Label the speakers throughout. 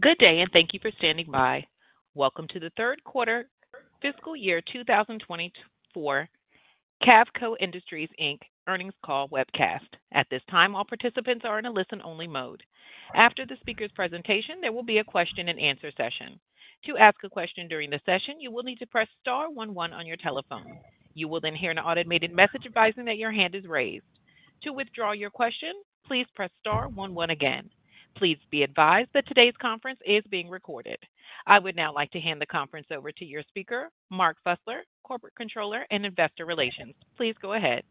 Speaker 1: Good day, and thank you for standing by. Welcome to the Q3 fiscal year 2024, Cavco Industries, Inc. earnings call webcast. At this time, all participants are in a listen-only mode. After the speaker's presentation, there will be a question-and-answer session. To ask a question during the session, you will need to press star one one on your telephone. You will then hear an automated message advising that your hand is raised. To withdraw your question, please press star one one again. Please be advised that today's conference is being recorded. I would now like to hand the conference over to your speaker, Mark Fusler, Corporate Controller and Investor Relations. Please go ahead.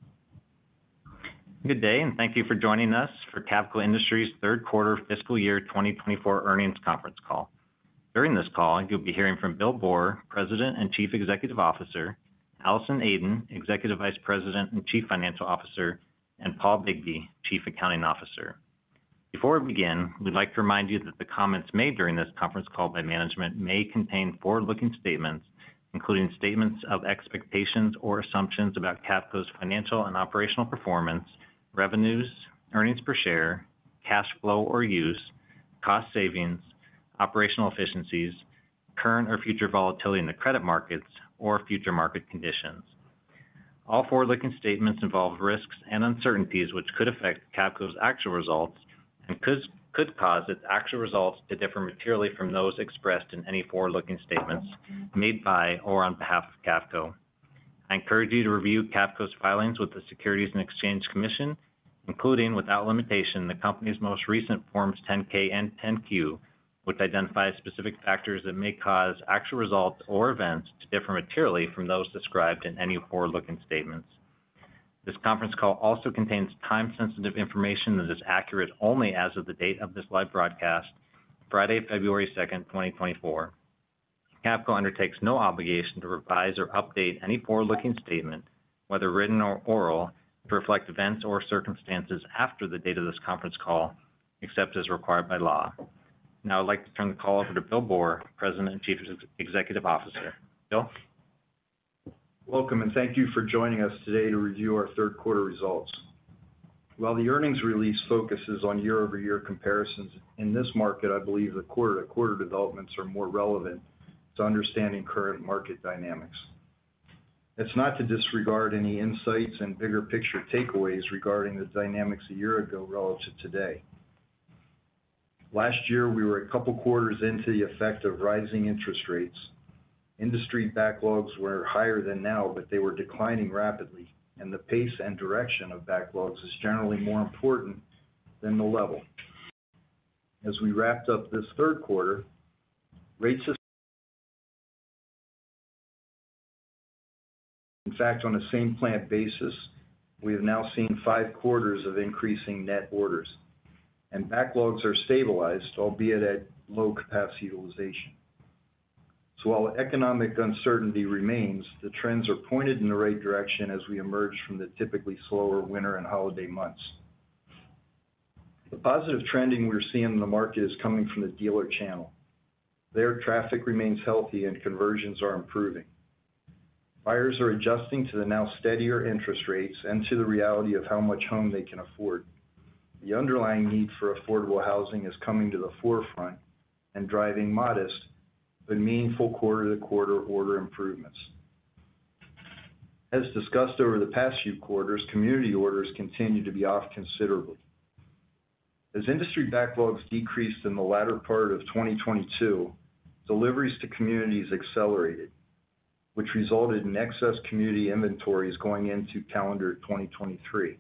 Speaker 2: Good day, and thank you for joining us for Cavco Industries' Q3 fiscal year 2024 earnings conference call. During this call, you'll be hearing from Bill Boor, President and Chief Executive Officer, Allison Aden, Executive Vice President and Chief Financial Officer, and Paul Bigbee, Chief Accounting Officer. Before we begin, we'd like to remind you that the comments made during this conference call by management may contain forward-looking statements, including statements of expectations or assumptions about Cavco's financial and operational performance, revenues, earnings per share, cash flow or use, cost savings, operational efficiencies, current or future volatility in the credit markets, or future market conditions. All forward-looking statements involve risks and uncertainties, which could affect Cavco's actual results and could, could cause its actual results to differ materially from those expressed in any forward-looking statements made by or on behalf of Cavco. I encourage you to review Cavco's filings with the Securities and Exchange Commission, including, without limitation, the company's most recent Forms 10-K and 10-Q, which identify specific factors that may cause actual results or events to differ materially from those described in any forward-looking statements. This conference call also contains time-sensitive information that is accurate only as of the date of this live broadcast, Friday, February 2nd, 2024. Cavco undertakes no obligation to revise or update any forward-looking statement, whether written or oral, to reflect events or circumstances after the date of this conference call, except as required by law. Now I'd like to turn the call over to Bill Boor, President and Chief Executive Officer. Bill?
Speaker 3: Welcome, and thank you for joining us today to review our Q3 results. While the earnings release focuses on year-over-year comparisons, in this market, I believe the quarter-to-quarter developments are more relevant to understanding current market dynamics. It's not to disregard any insights and bigger picture takeaways regarding the dynamics a year ago relative to today. Last year, we were a couple of quarters into the effect of rising interest rates. Industry backlogs were higher than now, but they were declining rapidly, and the pace and direction of backlogs is generally more important than the level. As we wrapped up this Q3, rates are... In fact, on a same plant basis, we have now seen five quarters of increasing net orders, and backlogs are stabilized, albeit at low capacity utilization. While economic uncertainty remains, the trends are pointed in the right direction as we emerge from the typically slower winter and holiday months. The positive trending we're seeing in the market is coming from the dealer channel. Their traffic remains healthy and conversions are improving. Buyers are adjusting to the now steadier interest rates and to the reality of how much home they can afford. The underlying need for affordable housing is coming to the forefront and driving modest but meaningful quarter-to-quarter order improvements. As discussed over the past few quarters, community orders continue to be off considerably. As industry backlogs decreased in the latter part of 2022, deliveries to communities accelerated, which resulted in excess community inventories going into calendar 2023.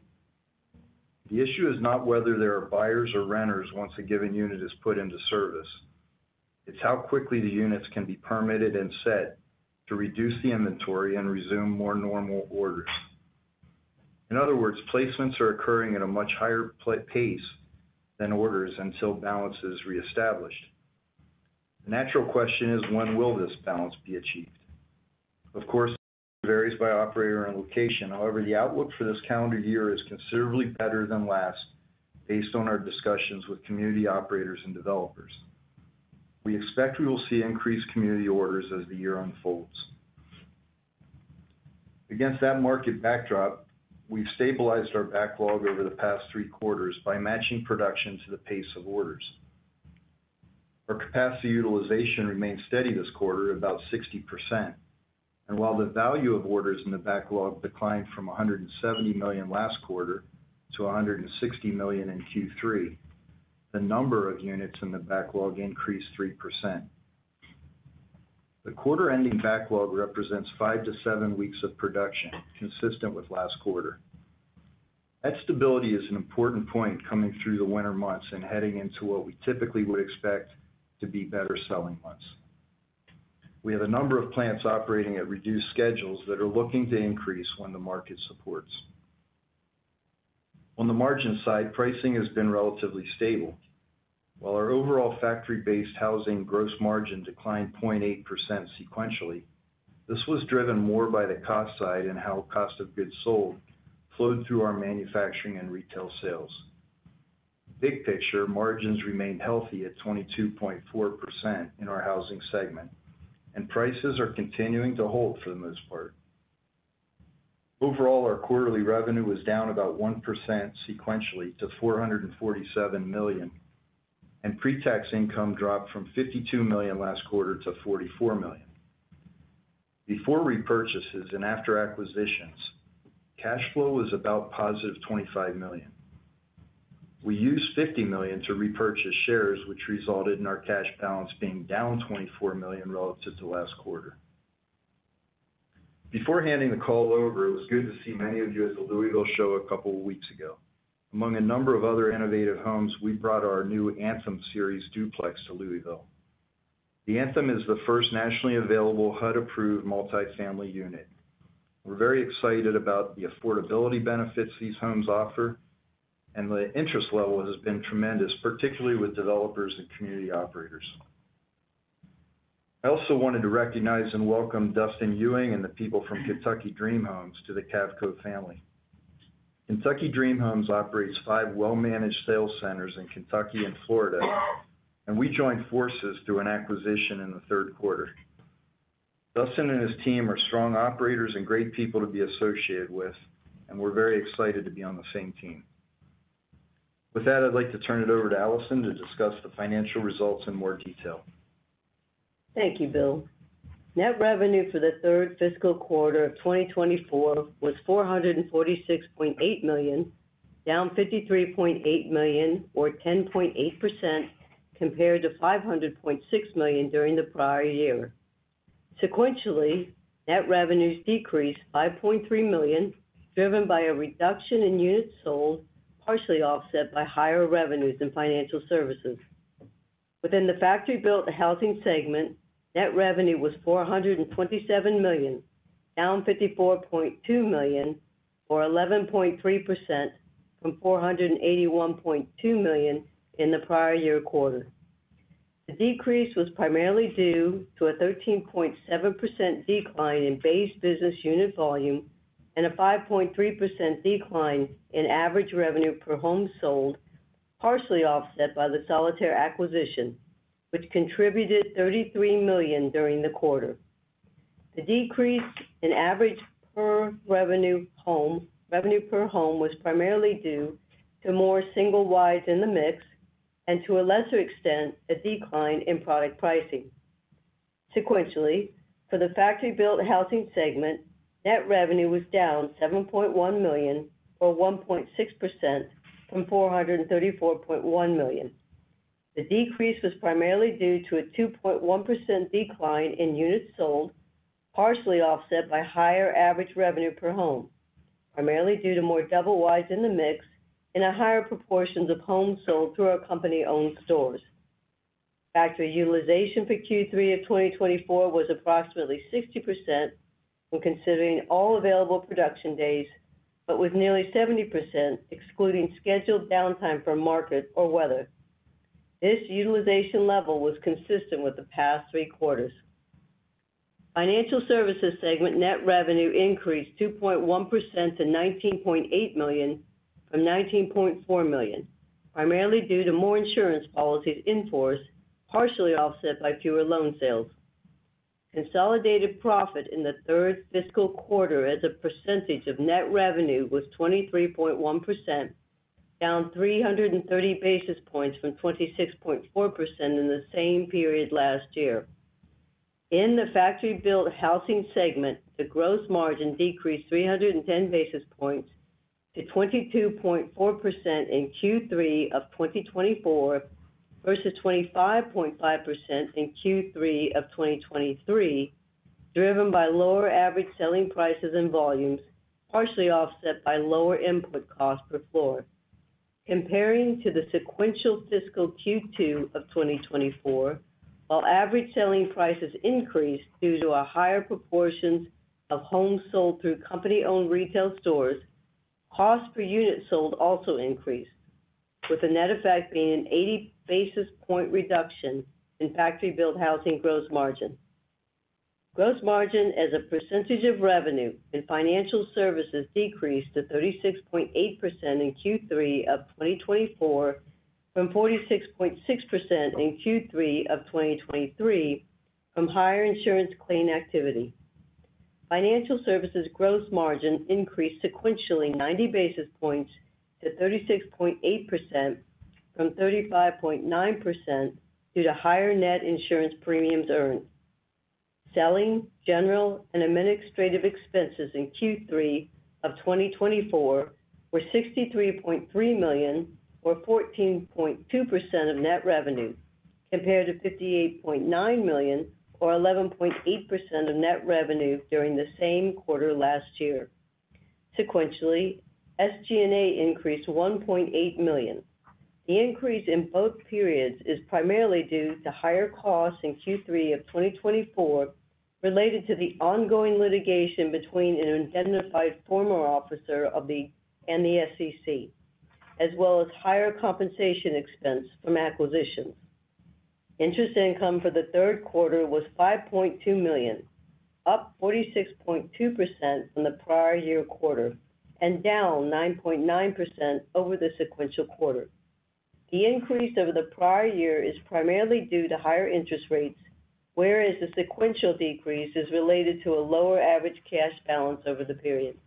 Speaker 3: The issue is not whether there are buyers or renters once a given unit is put into service. It's how quickly the units can be permitted and set to reduce the inventory and resume more normal orders. In other words, placements are occurring at a much higher pace than orders until balance is reestablished. The natural question is: When will this balance be achieved? Of course, it varies by operator and location. However, the outlook for this calendar year is considerably better than last, based on our discussions with community operators and developers. We expect we will see increased community orders as the year unfolds. Against that market backdrop, we've stabilized our backlog over the past three quarters by matching production to the pace of orders. Our capacity utilization remained steady this quarter, about 60%, and while the value of orders in the backlog declined from $170 million last quarter to $160 million in Q3, the number of units in the backlog increased 3%. The quarter-ending backlog represents 5-7 weeks of production, consistent with last quarter. That stability is an important point coming through the winter months and heading into what we typically would expect to be better-selling months. We have a number of plants operating at reduced schedules that are looking to increase when the market supports. On the margin side, pricing has been relatively stable. While our overall factory-based housing gross margin declined 0.8% sequentially, this was driven more by the cost side and how cost of goods sold flowed through our manufacturing and retail sales. Big picture, margins remained healthy at 22.4% in our housing segment, and prices are continuing to hold for the most part. Overall, our quarterly revenue was down about 1% sequentially to $447 million, and pretax income dropped from $52 million last quarter to $44 million. Before repurchases and after acquisitions, cash flow was about +$25 million. We used $50 million to repurchase shares, which resulted in our cash balance being down $24 million relative to last quarter. Before handing the call over, it was good to see many of you at the Louisville show a couple of weeks ago. Among a number of other innovative homes, we brought our new Anthem series duplex to Louisville. The Anthem is the first nationally available HUD-approved multifamily unit. We're very excited about the affordability benefits these homes offer, and the interest level has been tremendous, particularly with developers and community operators. I also wanted to recognize and welcome Dustin Ewing and the people from Kentucky Dream Homes to the Cavco family. Kentucky Dream Homes operates five well-managed sales centers in Kentucky and Florida, and we joined forces through an acquisition in the Q3. Dustin and his team are strong operators and great people to be associated with, and we're very excited to be on the same team. With that, I'd like to turn it over to Allison to discuss the financial results in more detail.
Speaker 4: Thank you, Bill. Net revenue for the third fiscal quarter of 2024 was $446.8 million, down $53.8 million or 10.8% compared to $500.6 million during the prior year. Sequentially, net revenues decreased $5.3 million, driven by a reduction in units sold, partially offset by higher revenues in financial services. Within the factory built housing segment, net revenue was $427 million, down $54.2 million or 11.3% from $481.2 million in the prior year quarter. The decrease was primarily due to a 13.7% decline in base business unit volume and a 5.3% decline in average revenue per home sold, partially offset by the Solitaire acquisition, which contributed $33 million during the quarter. The decrease in average per revenue home, revenue per home was primarily due to more single wides in the mix, and to a lesser extent, a decline in product pricing. Sequentially, for the factory-built housing segment, net revenue was down $7.1 million, or 1.6%, from $434.1 million. The decrease was primarily due to a 2.1% decline in units sold, partially offset by higher average revenue per home, primarily due to more double wides in the mix and a higher proportions of homes sold through our company-owned stores. Factory utilization for Q3 of 2024 was approximately 60% when considering all available production days, but with nearly 70% excluding scheduled downtime for market or weather. This utilization level was consistent with the past three quarters. Financial services segment net revenue increased 2.1% to $19.8 million from $19.4 million, primarily due to more insurance policies in force, partially offset by fewer loan sales. Consolidated profit in the third fiscal quarter as a percentage of net revenue was 23.1%, down 330 basis points from 26.4% in the same period last year. In the factory-built housing segment, the gross margin decreased 310 basis points to 22.4% in Q3 of 2024, versus 25.5% in Q3 of 2023, driven by lower average selling prices and volumes, partially offset by lower input cost per floor. Comparing to the sequential fiscal Q2 of 2024, while average selling prices increased due to a higher proportions of homes sold through company-owned retail stores, cost per unit sold also increased, with the net effect being an 80 basis point reduction in factory-built housing gross margin. Gross margin, as a percentage of revenue and financial services, decreased to 36.8% in Q3 of 2024 from 46.6% in Q3 of 2023 from higher insurance claim activity. Financial services gross margin increased sequentially 90 basis points to 36.8% from 35.9% due to higher net insurance premiums earned. Selling, general, and administrative expenses in Q3 of 2024 were $63.3 million, or 14.2% of net revenue, compared to $58.9 million or 11.8% of net revenue during the same quarter last year. Sequentially, SG&A increased to $1.8 million. The increase in both periods is primarily due to higher costs in Q3 of 2024, related to the ongoing litigation between an indemnified former officer of the company and the SEC, as well as higher compensation expense from acquisitions. Interest income for the Q3 was $5.2 million, up 46.2% from the prior year quarter and down 9.9% over the sequential quarter. The increase over the prior year is primarily due to higher interest rates, whereas the sequential decrease is related to a lower average cash balance over the period.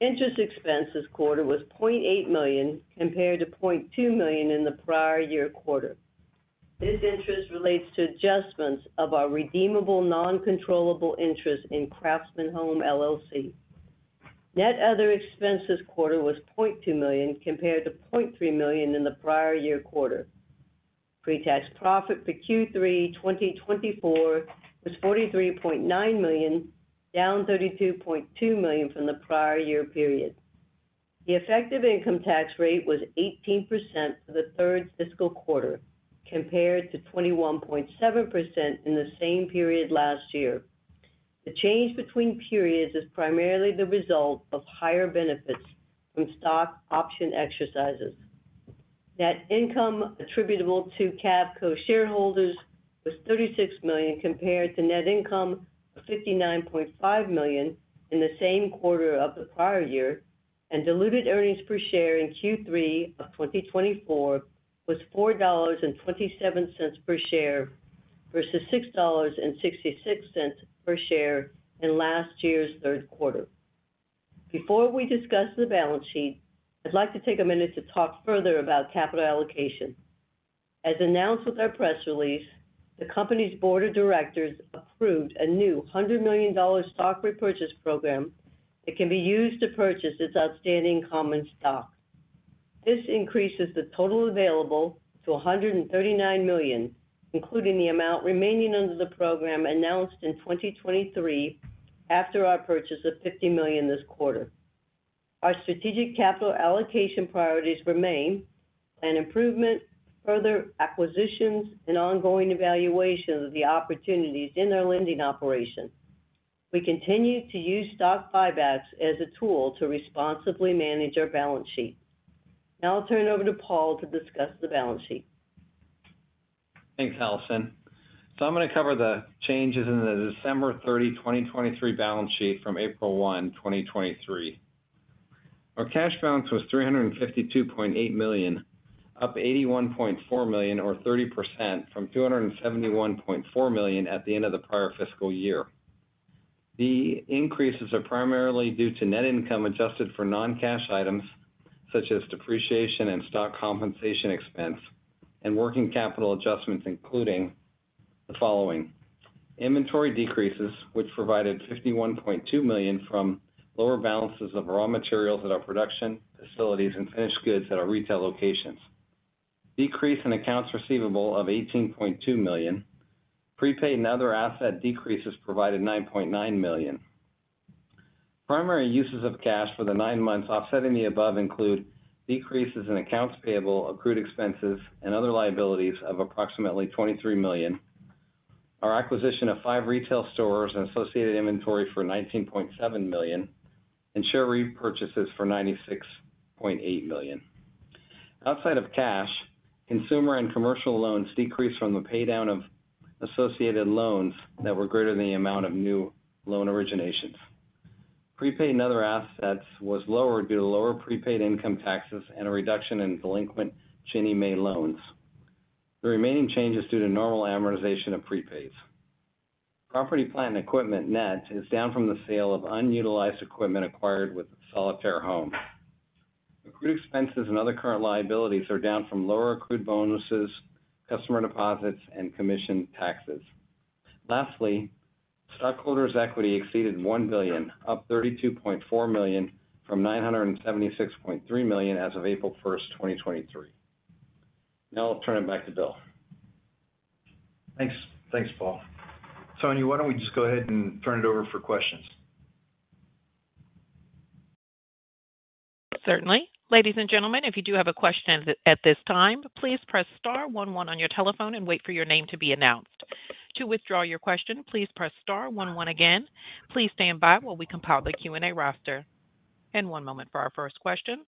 Speaker 4: Interest expense this quarter was $0.8 million, compared to $0.2 million in the prior year quarter. This interest relates to adjustments of our redeemable, non-controllable interest in Craftsman Homes LLC. Net other expense this quarter was $0.2 million, compared to $0.3 million in the prior year quarter. Pre-tax profit for Q3 2024 was $43.9 million, down $32.2 million from the prior year period. The effective income tax rate was 18% for the third fiscal quarter, compared to 21.7% in the same period last year. The change between periods is primarily the result of higher benefits from stock option exercises. Net income attributable to Cavco shareholders was $36 million, compared to net income of $59.5 million in the same quarter of the prior year, and diluted earnings per share in Q3 of 2024 was $4.27 per share versus $6.66 per share in last year's Q3. Before we discuss the balance sheet, I'd like to take a minute to talk further about capital allocation. As announced with our press release, the company's board of directors approved a new $100 million stock repurchase program that can be used to purchase its outstanding common stock. This increases the total available to $139 million, including the amount remaining under the program announced in 2023 after our purchase of $50 million this quarter. Our strategic capital allocation priorities remain an improvement, further acquisitions, and ongoing evaluation of the opportunities in our lending operation. We continue to use stock buybacks as a tool to responsibly manage our balance sheet. Now I'll turn it over to Paul to discuss the balance sheet.
Speaker 5: Thanks, Allison. So I'm going to cover the changes in the December 30, 2023 balance sheet from April 1, 2023. Our cash balance was $352.8 million, up $81.4 million or 30% from $271.4 million at the end of the prior fiscal year. The increases are primarily due to net income adjusted for non-cash items such as depreciation and stock compensation expense and working capital adjustments, including the following: inventory decreases, which provided $51.2 million from lower balances of raw materials at our production facilities and finished goods at our retail locations. Decrease in accounts receivable of $18.2 million. Prepaid and other asset decreases provided $9.9 million. Primary uses of cash for the nine months offsetting the above include decreases in accounts payable, accrued expenses, and other liabilities of approximately $23 million. Our acquisition of five retail stores and associated inventory for $19.7 million, and share repurchases for $96.8 million. Outside of cash, consumer and commercial loans decreased from the paydown of associated loans that were greater than the amount of new loan originations. Prepaid and other assets was lowered due to lower prepaid income taxes and a reduction in delinquent Ginnie Mae loans. The remaining changes due to normal amortization of prepaids. Property, plant, and equipment net is down from the sale of unutilized equipment acquired with Solitaire Homes. Accrued expenses and other current liabilities are down from lower accrued bonuses, customer deposits, and commission taxes. Lastly, stockholders' equity exceeded $1 billion, up $32.4 million from $976.3 million as of April 1st, 2023. Now I'll turn it back to Bill.
Speaker 3: Thanks. Thanks, Paul. Tony, why don't we just go ahead and turn it over for questions?
Speaker 1: Certainly. Ladies and gentlemen, if you do have a question at this time, please press star one one on your telephone and wait for your name to be announced. To withdraw your question, please press star one one again. Please stand by while we compile the Q&A roster. One moment for our first question,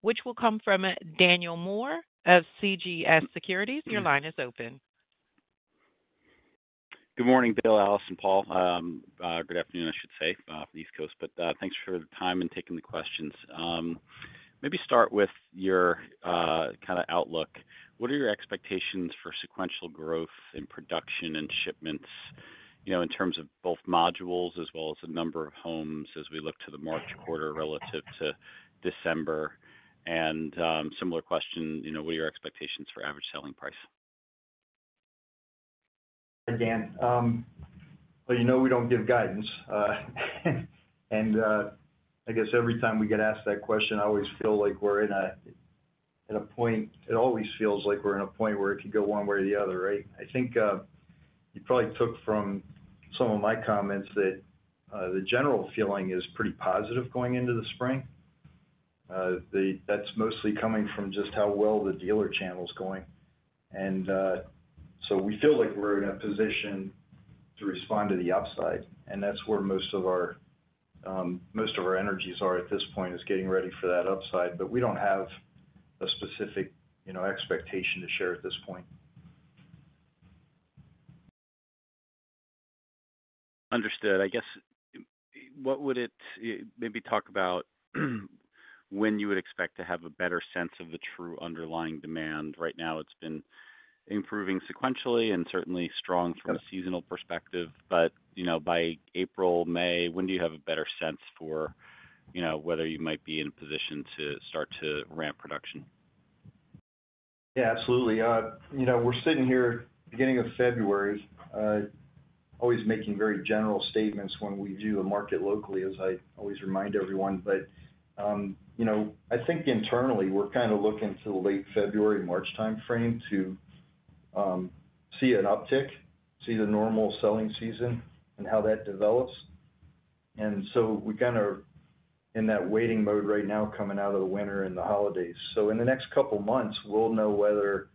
Speaker 1: which will come from Daniel Moore of CJS Securities. Your line is open.
Speaker 6: Good morning, Bill, Allison, Paul. Good afternoon, I should say, East Coast, but thanks for the time and taking the questions. Maybe start with your kind of outlook. What are your expectations for sequential growth in production and shipments, you know, in terms of both modules as well as the number of homes as we look to the March quarter relative to December? Similar question, you know, what are your expectations for average selling price?
Speaker 3: Dan, well, you know, we don't give guidance. I guess every time we get asked that question, I always feel like we're in a point where it could go one way or the other, right? I think you probably took from some of my comments that the general feeling is pretty positive going into the spring. That's mostly coming from just how well the dealer channel is going. So we feel like we're in a position to respond to the upside, and that's where most of our energies are at this point, is getting ready for that upside. But we don't have a specific, you know, expectation to share at this point.
Speaker 6: Understood. I guess, what would it maybe talk about, when you would expect to have a better sense of the true underlying demand? Right now, it's been improving sequentially and certainly strong from a seasonal perspective, but, you know, by April, May, when do you have a better sense for, you know, whether you might be in a position to start to ramp production?
Speaker 3: Yeah, absolutely. You know, we're sitting here, beginning of February, always making very general statements when we view the market locally, as I always remind everyone. But, you know, I think internally, we're kind of looking to the late February, March timeframe to see an uptick, see the normal selling season and how that develops. And so we're kind of in that waiting mode right now, coming out of the winter and the holidays. So in the next couple of months, we'll know whether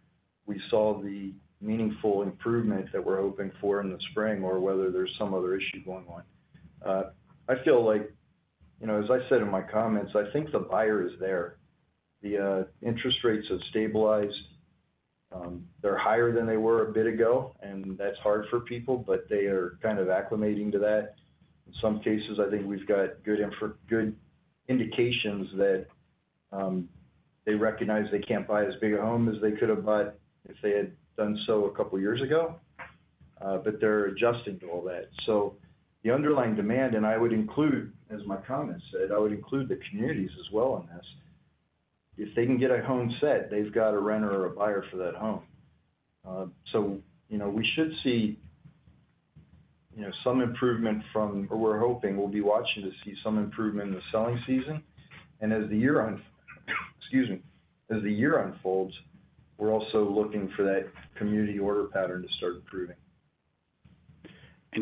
Speaker 3: we saw the meaningful improvement that we're hoping for in the spring, or whether there's some other issue going on. I feel like, you know, as I said in my comments, I think the buyer is there. The, interest rates have stabilized. They're higher than they were a bit ago, and that's hard for people, but they are kind of acclimating to that. In some cases, I think we've got good indications that they recognize they can't buy as big a home as they could have bought if they had done so a couple of years ago, but they're adjusting to all that. So the underlying demand, and I would include, as my comment said, I would include the communities as well in this. If they can get a home set, they've got a renter or a buyer for that home. So you know, we should see, you know, some improvement from or we're hoping, we'll be watching to see some improvement in the selling season. And as the year, excuse me. As the year unfolds, we're also looking for that community order pattern to start improving.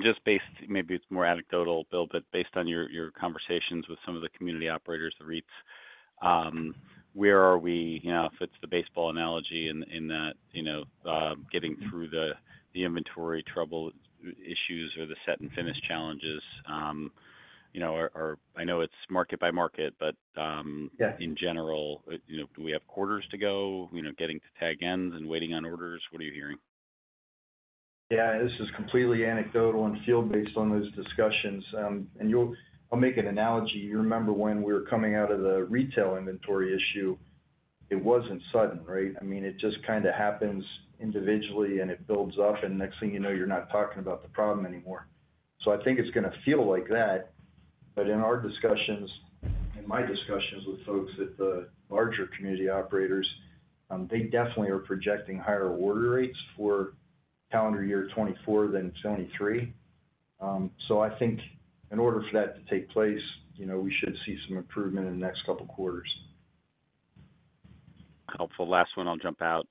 Speaker 6: Just based, maybe it's more anecdotal, Bill, but based on your conversations with some of the community operators, the REITs, where are we? You know, if it's the baseball analogy in that, you know, getting through the inventory trouble issues or the set and finish challenges, you know, I know it's market by market, but.
Speaker 3: Yeah.
Speaker 6: In general, you know, do we have quarters to go? You know, getting to tag ends and waiting on orders. What are you hearing?
Speaker 3: Yeah, this is completely anecdotal and field-based on those discussions. And I'll make an analogy. You remember when we were coming out of the retail inventory issue, it wasn't sudden, right? I mean, it just kind of happens individually, and it builds up, and next thing you know, you're not talking about the problem anymore. So I think it's going to feel like that. But in our discussions, in my discussions with folks at the larger community operators, they definitely are projecting higher order rates for calendar year 2024 than 2023. So I think in order for that to take place, you know, we should see some improvement in the next couple of quarters.
Speaker 6: Helpful. Last one, I'll jump out.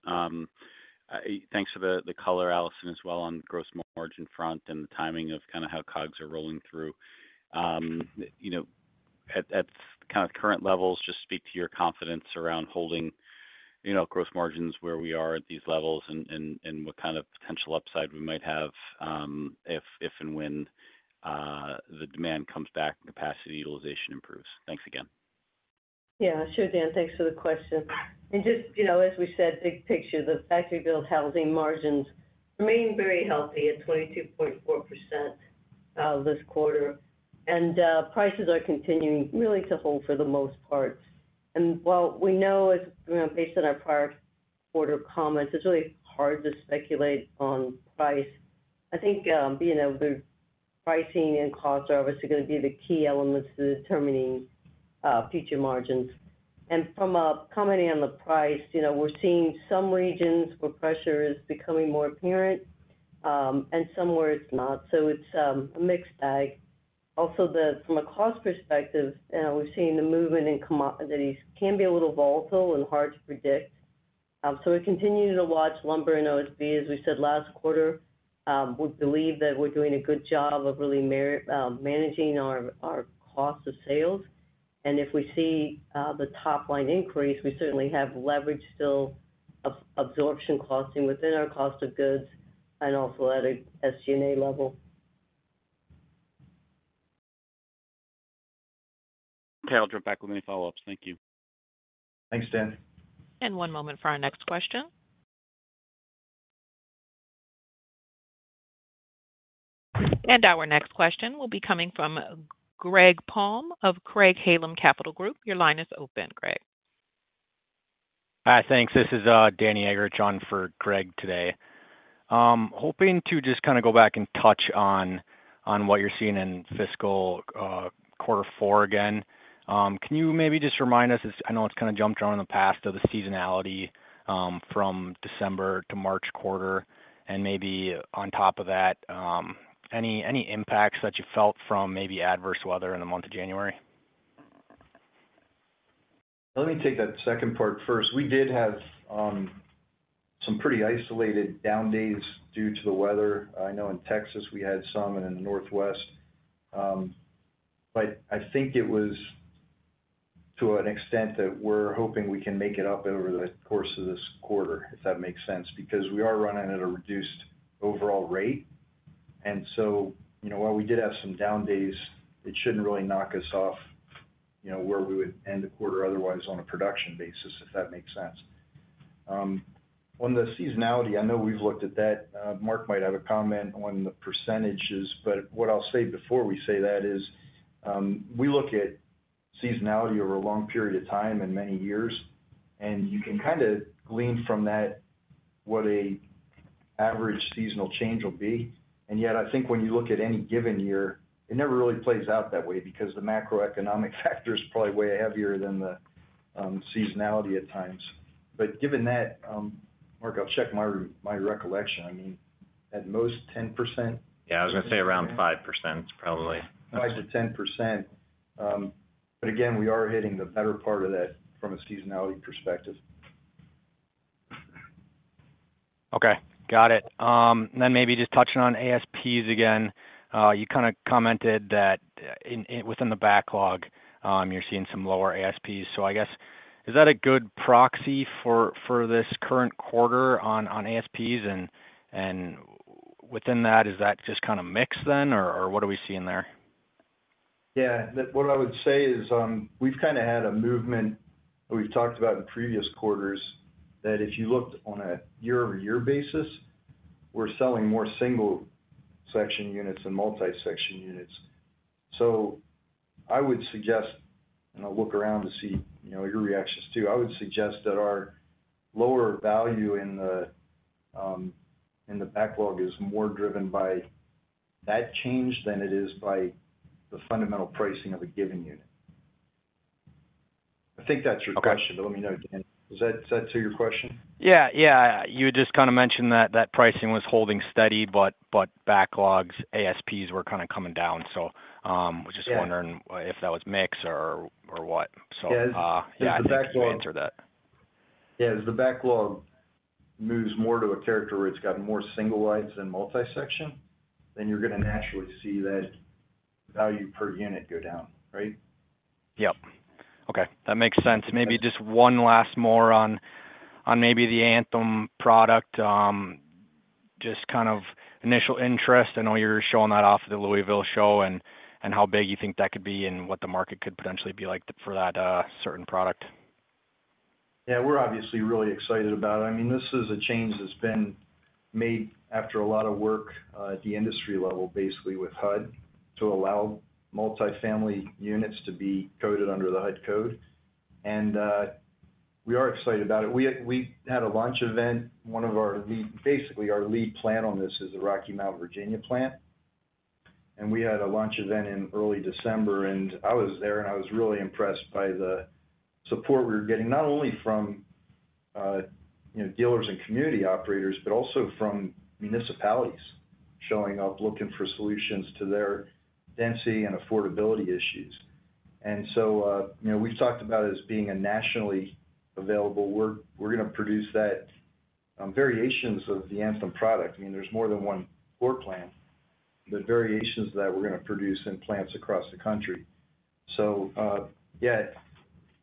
Speaker 6: Thanks for the, the color, Allison, as well, on gross margin front and the timing of kind of how COGS are rolling through. You know, at kind of current levels, just speak to your confidence around holding, you know, gross margins where we are at these levels and what kind of potential upside we might have, if and when the demand comes back and capacity utilization improves. Thanks again.
Speaker 4: Yeah, sure, Dan. Thanks for the question. And just, you know, as we said, big picture, the factory-built housing margins remain very healthy at 22.4%, this quarter. And prices are continuing really to hold for the most part. And while we know, you know, based on our prior quarter comments, it's really hard to speculate on price. I think, you know, the pricing and cost are obviously going to be the key elements to determining future margins. And from a commenting on the price, you know, we're seeing some regions where pressure is becoming more apparent, and some where it's not. So it's a mixed bag. Also, from a cost perspective, we've seen the movement in commodities can be a little volatile and hard to predict. So we're continuing to watch lumber and OSB, as we said last quarter. We believe that we're doing a good job of really managing our cost of sales. If we see the top line increase, we certainly have leverage still, of absorption costing within our cost of goods and also at a SG&A level.
Speaker 6: Okay. I'll jump back with any follow-ups. Thank you.
Speaker 3: Thanks, Dan.
Speaker 1: One moment for our next question. Our next question will be coming from Greg Palm of Craig-Hallum Capital Group. Your line is open, Greg.
Speaker 7: Hi, thanks. This is Danny Egger on for Greg today. Hoping to just kind of go back and touch on what you're seeing in fiscal quarter four again. Can you maybe just remind us, I know it's kind of jumped around in the past, of the seasonality from December to March quarter, and maybe on top of that, any impacts that you felt from maybe adverse weather in the month of January?
Speaker 3: Let me take that second part first. We did have, some pretty isolated down days due to the weather. I know in Texas, we had some, and in the Northwest. But I think it was to an extent that we're hoping we can make it up over the course of this quarter, if that makes sense, because we are running at a reduced overall rate. And so, you know, while we did have some down days, it shouldn't really knock us off... you know, where we would end the quarter otherwise on a production basis, if that makes sense. On the seasonality, I know we've looked at that. Mark might have a comment on the percentages, but what I'll say before we say that is, we look at seasonality over a long period of time in many years, and you can kind of glean from that what an average seasonal change will be. And yet, I think when you look at any given year, it never really plays out that way because the macroeconomic factor is probably way heavier than the, seasonality at times. But given that, Mark, I'll check my recollection. I mean, at most 10%?
Speaker 2: Yeah, I was gonna say around 5%, probably.
Speaker 3: 5%-10%. But again, we are hitting the better part of that from a seasonality perspective.
Speaker 7: Okay, got it. Then maybe just touching on ASPs again. You kind of commented that within the backlog, you're seeing some lower ASPs. So I guess, is that a good proxy for this current quarter on ASPs? And within that, is that just kind of mix then, or what are we seeing there?
Speaker 3: Yeah, what I would say is, we've kind of had a movement that we've talked about in previous quarters, that if you looked on a year-over-year basis, we're selling more single section units than multi-section units. So I would suggest, and I'll look around to see, you know, your reactions, too. I would suggest that our lower value in the backlog is more driven by that change than it is by the fundamental pricing of a given unit. I think that's your question-
Speaker 7: Okay.
Speaker 3: But let me know, Dan, does that, does that answer your question?
Speaker 7: Yeah, yeah. You just kind of mentioned that pricing was holding steady, but backlogs, ASPs were kind of coming down. So, was just wondering-
Speaker 3: Yeah...
Speaker 7: if that was mix or what? So,
Speaker 3: Yeah, the backlog-
Speaker 7: Yeah, I think you answered that.
Speaker 3: Yeah, as the backlog moves more to a character where it's got more single wides than multi-section, then you're gonna naturally see that value per unit go down, right?
Speaker 7: Yep. Okay, that makes sense. Maybe just one last more on, on maybe the Anthem product, just kind of initial interest. I know you're showing that off at the Louisville show, and, and how big you think that could be and what the market could potentially be like for that, certain product.
Speaker 3: Yeah, we're obviously really excited about it. I mean, this is a change that's been made after a lot of work at the industry level, basically with HUD, to allow multifamily units to be coded under the HUD code. And we are excited about it. We had a launch event, one of our lead. Basically, our lead plant on this is the Rocky Mount, Virginia plant. And we had a launch event in early December, and I was there, and I was really impressed by the support we were getting, not only from you know, dealers and community operators, but also from municipalities showing up, looking for solutions to their density and affordability issues. And so, you know, we've talked about it as being a nationally available. We're gonna produce that variations of the Anthem product. I mean, there's more than one core plan, the variations that we're gonna produce in plants across the country. So, yeah,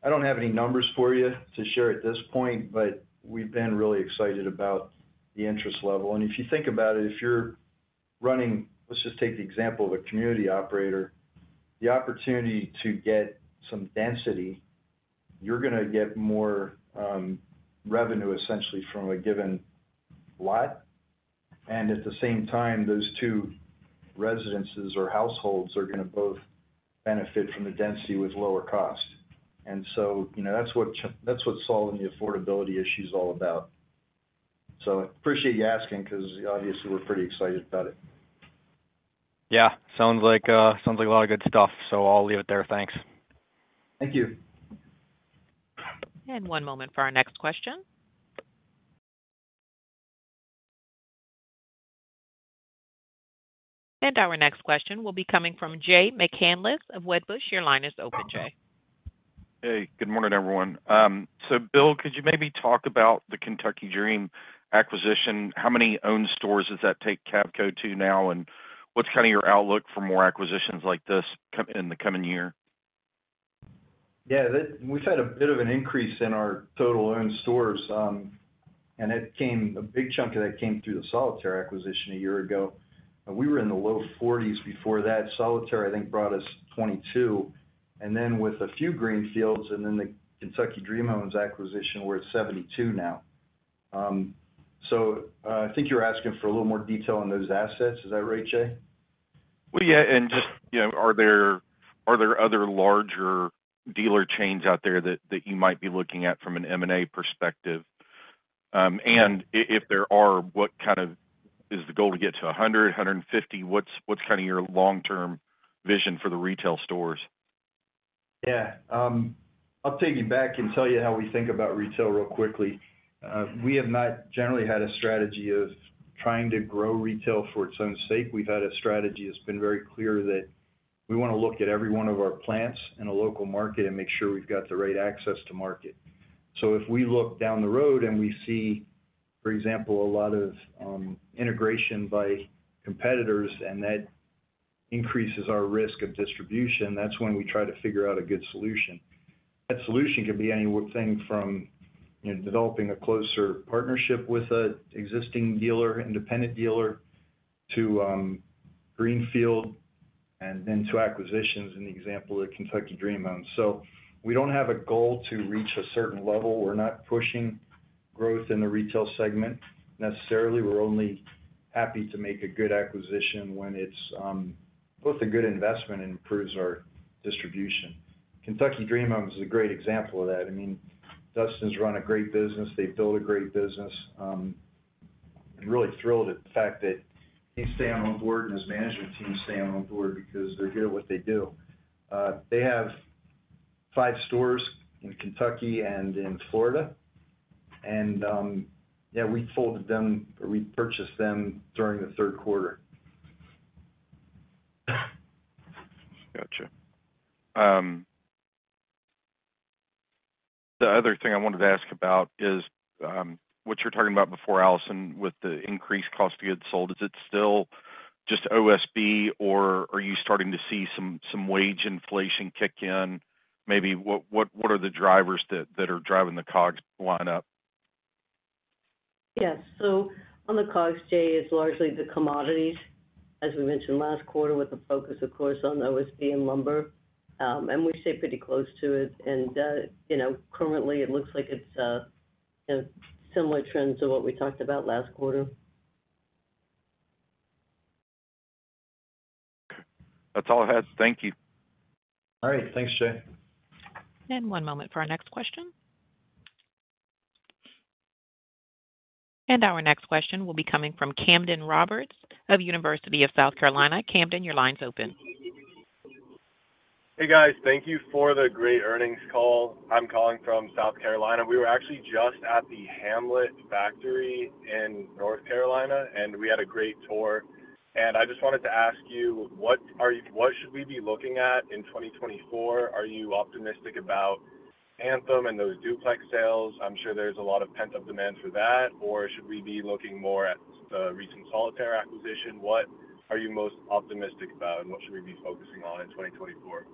Speaker 3: I don't have any numbers for you to share at this point, but we've been really excited about the interest level. And if you think about it, if you're running, let's just take the example of a community operator, the opportunity to get some density, you're gonna get more, revenue, essentially from a given lot. And at the same time, those two residences or households are gonna both benefit from the density with lower cost. And so, you know, that's what that's what solving the affordability issue is all about. So I appreciate you asking, 'cause obviously we're pretty excited about it.
Speaker 7: Yeah, sounds like a lot of good stuff, so I'll leave it there. Thanks.
Speaker 3: Thank you.
Speaker 1: One moment for our next question. Our next question will be coming from Jay McCanless of Wedbush. Your line is open, Jay.
Speaker 8: Hey, good morning, everyone. So Bill, could you maybe talk about the Kentucky Dream acquisition? How many owned stores does that take Cavco to now, and what's kind of your outlook for more acquisitions like this in the coming year?
Speaker 3: Yeah, we've had a bit of an increase in our total owned stores, and it came, a big chunk of that came through the Solitaire acquisition a year ago. We were in the low 40s before that. Solitaire, I think, brought us 22, and then with a few greenfields and then the Kentucky Dream Homes acquisition, we're at 72 now. So, I think you're asking for a little more detail on those assets. Is that right, Jay?
Speaker 8: Well, yeah, and just, you know, are there, are there other larger dealer chains out there that, that you might be looking at from an M&A perspective? And if there are, what kind of... Is the goal to get to 100, 150? What's, what's kind of your long-term vision for the retail stores?
Speaker 3: Yeah. I'll take you back and tell you how we think about retail real quickly. We have not generally had a strategy of trying to grow retail for its own sake. We've had a strategy that's been very clear that we want to look at every one of our plants in a local market and make sure we've got the right access to market. So if we look down the road and we see, for example, a lot of integration by competitors, and that increases our risk of distribution, that's when we try to figure out a good solution. That solution could be anything from, you know, developing a closer partnership with an existing dealer, independent dealer... to greenfield and then to acquisitions in the example of Kentucky Dream Homes. So we don't have a goal to reach a certain level. We're not pushing growth in the retail segment necessarily. We're only happy to make a good acquisition when it's both a good investment and improves our distribution. Kentucky Dream Homes is a great example of that. I mean, Dustin's run a great business. They've built a great business. I'm really thrilled at the fact that he's staying on board and his management team is staying on board because they're good at what they do. They have five stores in Kentucky and in Florida, and yeah, we folded them, or we purchased them during the Q3.
Speaker 8: Gotcha. The other thing I wanted to ask about is what you were talking about before, Allison, with the increased cost of goods sold. Is it still just OSB, or are you starting to see some wage inflation kick in? Maybe what are the drivers that are driving the COGS to line up?
Speaker 4: Yes. So on the COGS, Jay, it's largely the commodities, as we mentioned last quarter, with the focus, of course, on OSB and lumber. And we stay pretty close to it, and, you know, currently, it looks like it's, you know, similar trends to what we talked about last quarter.
Speaker 8: That's all I had. Thank you.
Speaker 3: All right. Thanks, Jay.
Speaker 1: One moment for our next question. Our next question will be coming from Camden Roberts of University of South Carolina. Camden, your line's open.
Speaker 9: Hey, guys. Thank you for the great earnings call. I'm calling from South Carolina. We were actually just at the Hamlet factory in North Carolina, and we had a great tour. I just wanted to ask you, what are you - what should we be looking at in 2024? Are you optimistic about Anthem and those duplex sales? I'm sure there's a lot of pent-up demand for that, or should we be looking more at the recent Solitaire acquisition? What are you most optimistic about, and what should we be focusing on in 2024?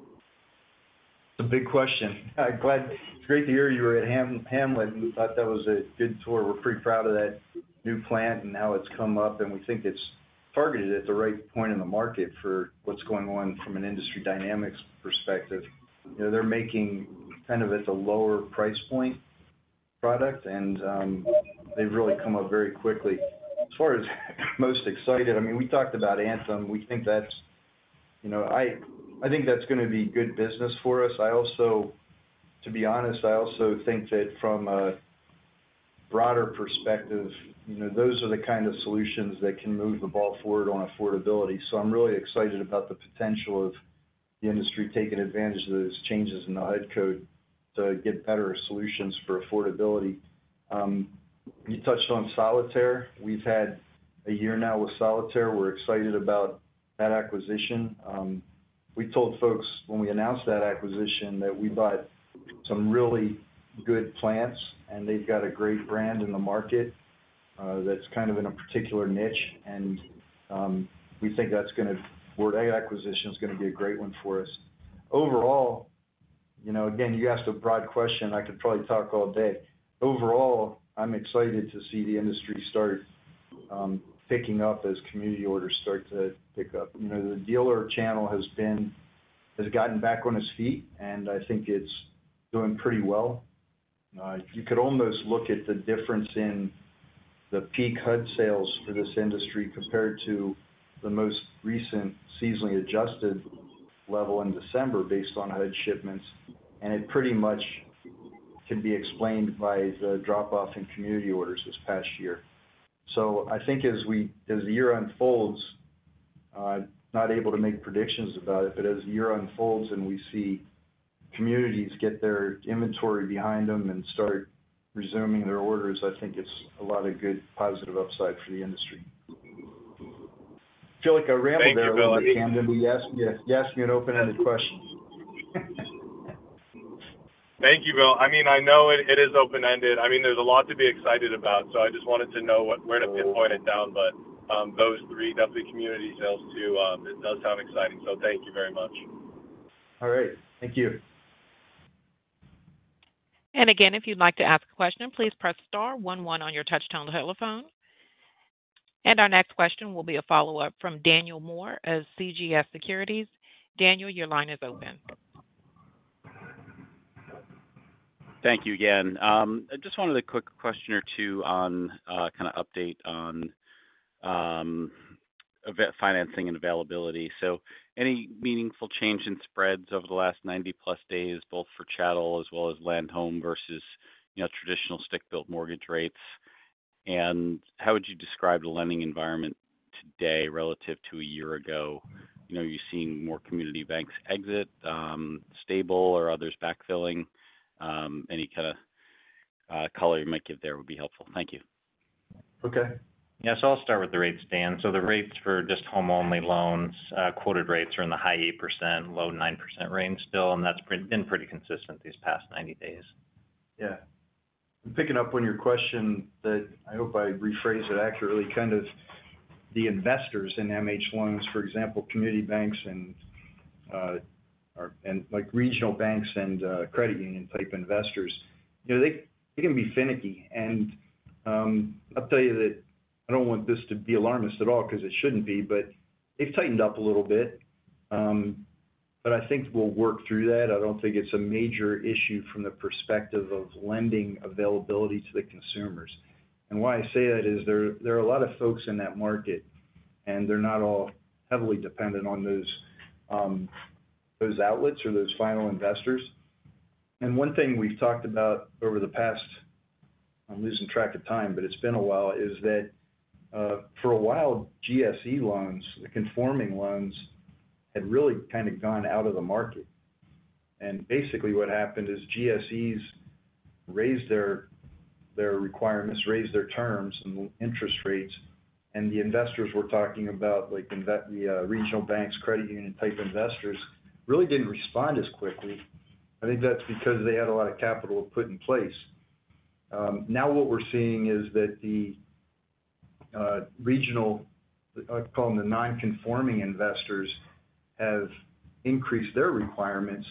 Speaker 3: It's a big question. I'm glad. It's great to hear you were at Hamlet, and we thought that was a good tour. We're pretty proud of that new plant and how it's come up, and we think it's targeted at the right point in the market for what's going on from an industry dynamics perspective. You know, they're making kind of at the lower price point product, and they've really come up very quickly. As far as most excited, I mean, we talked about Anthem. We think that's, you know, I, I think that's going to be good business for us. I also, to be honest, I also think that from a broader perspective, you know, those are the kind of solutions that can move the ball forward on affordability. So I'm really excited about the potential of the industry taking advantage of those changes in the HUD code to get better solutions for affordability. You touched on Solitaire. We've had a year now with Solitaire. We're excited about that acquisition. We told folks when we announced that acquisition, that we bought some really good plants, and they've got a great brand in the market, that's kind of in a particular niche, and we think that's where that acquisition is going to be a great one for us. Overall, you know, again, you asked a broad question. I could probably talk all day. Overall, I'm excited to see the industry start picking up as community orders start to pick up. You know, the dealer channel has gotten back on its feet, and I think it's doing pretty well. You could almost look at the difference in the peak HUD sales for this industry compared to the most recent seasonally adjusted level in December based on HUD shipments, and it pretty much can be explained by the drop-off in community orders this past year. So I think as the year unfolds, not able to make predictions about it, but as the year unfolds and we see communities get their inventory behind them and start resuming their orders, I think it's a lot of good, positive upside for the industry. I feel like I rambled there a little bit, Camden, but you asked, you asked me an open-ended question.
Speaker 9: Thank you, Bill. I mean, I know it is open-ended. I mean, there's a lot to be excited about, so I just wanted to know what- where to pinpoint it down. But, those three, definitely community sales too, it does sound exciting. So thank you very much.
Speaker 3: All right. Thank you.
Speaker 1: And again, if you'd like to ask a question, please press star one one on your touchtone telephone. And our next question will be a follow-up from Daniel Moore of CJS Securities. Daniel, your line is open.
Speaker 6: Thank you again. I just wanted a quick question or two on, kind of update on, event financing and availability. So any meaningful change in spreads over the last 90+ days, both for chattel as well as land-home versus, you know, traditional stick-built mortgage rates? And how would you describe the lending environment today relative to a year ago? You know, are you seeing more community banks exit, stable or others backfilling? Any kind of, color you might give there would be helpful. Thank you.
Speaker 3: Okay.
Speaker 6: Yes, I'll start with the rates, Dan. The rates for just home-only loans, quoted rates are in the high 8%-low 9% range still, and that's been pretty consistent these past 90 days.
Speaker 3: Yeah. And picking up on your question that I hope I rephrase it accurately, kind of the investors in MH Loans, for example, community banks and like regional banks and credit union type investors, you know, they can be finicky. I'll tell you that I don't want this to be alarmist at all because it shouldn't be, but they've tightened up a little bit. But I think we'll work through that. I don't think it's a major issue from the perspective of lending availability to the consumers. And why I say that is there are a lot of folks in that market, and they're not all heavily dependent on those outlets or those final investors. And one thing we've talked about over the past, I'm losing track of time, but it's been a while, is that for a while GSE loans, the conforming loans, had really kind of gone out of the market. And basically, what happened is GSEs raised their requirements, raised their terms and interest rates, and the investors were talking about, like, the regional banks, credit union-type investors, really didn't respond as quickly. I think that's because they had a lot of capital put in place. Now what we're seeing is that the regional, I'd call them the non-conforming investors, have increased their requirements.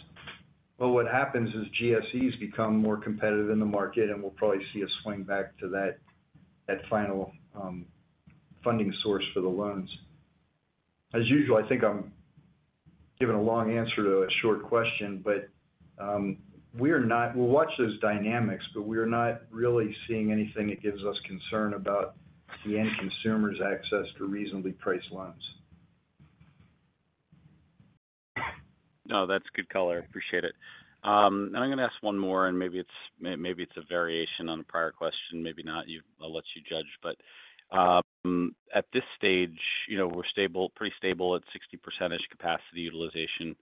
Speaker 3: But what happens is GSEs become more competitive in the market, and we'll probably see a swing back to that final funding source for the loans. As usual, I think I'm giving a long answer to a short question, but, we are not... We'll watch those dynamics, but we are not really seeing anything that gives us concern about the end consumer's access to reasonably priced loans.
Speaker 6: No, that's good color. I appreciate it. Now I'm going to ask one more, and maybe it's, maybe it's a variation on a prior question, maybe not. I'll let you judge. But, at this stage, you know, we're stable, pretty stable at 60% capacity utilization,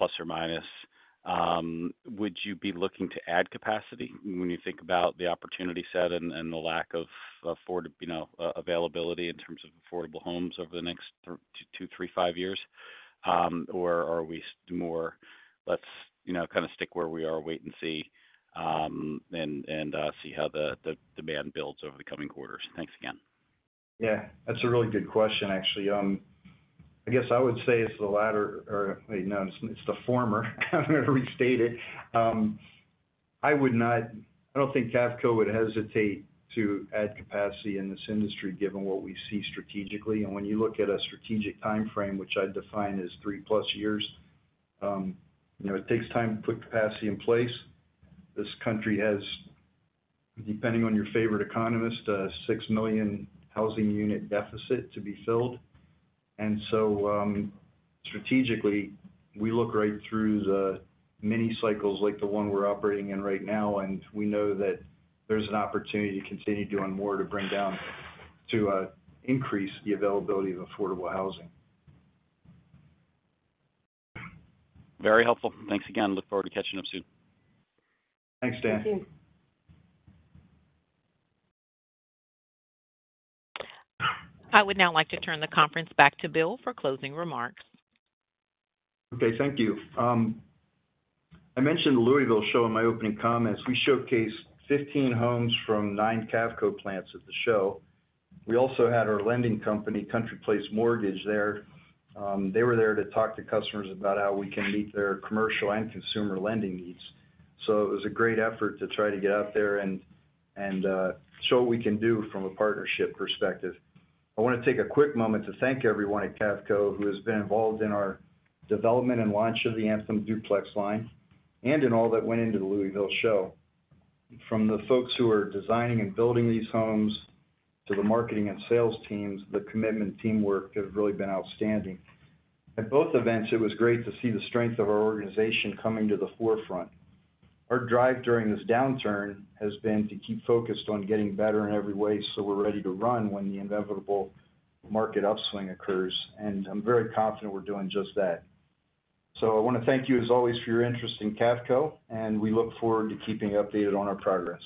Speaker 6: ±. Would you be looking to add capacity when you think about the opportunity set and, and the lack of afford, you know, availability in terms of affordable homes over the next two to three, five years? Or are we more let's, you know, kind of stick where we are, wait and see, and see how the demand builds over the coming quarters? Thanks again.
Speaker 3: Yeah, that's a really good question, actually. I guess I would say it's the latter or wait, no, it's, it's the former. Let me restate it. I would not, I don't think Cavco would hesitate to add capacity in this industry given what we see strategically. And when you look at a strategic time frame, which I define as three-plus years, you know, it takes time to put capacity in place. This country has, depending on your favorite economist, a 6 million housing unit deficit to be filled. And so, strategically, we look right through the many cycles like the one we're operating in right now, and we know that there's an opportunity to continue doing more to bring down, to, increase the availability of affordable housing.
Speaker 6: Very helpful. Thanks again. Look forward to catching up soon.
Speaker 3: Thanks, Dan.
Speaker 1: I would now like to turn the conference back to Bill for closing remarks.
Speaker 3: Okay, thank you. I mentioned the Louisville show in my opening comments. We showcased 15 homes from nine Cavco plants at the show. We also had our lending company, CountryPlace Mortgage, there. They were there to talk to customers about how we can meet their commercial and consumer lending needs. So it was a great effort to try to get out there and show what we can do from a partnership perspective. I want to take a quick moment to thank everyone at Cavco who has been involved in our development and launch of the Anthem duplex line, and in all that went into the Louisville show. From the folks who are designing and building these homes, to the marketing and sales teams, the commitment and teamwork have really been outstanding. At both events, it was great to see the strength of our organization coming to the forefront. Our drive during this downturn has been to keep focused on getting better in every way, so we're ready to run when the inevitable market upswing occurs, and I'm very confident we're doing just that. So I want to thank you, as always, for your interest in Cavco, and we look forward to keeping you updated on our progress.